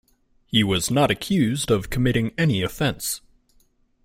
He was not accused of committing any offence.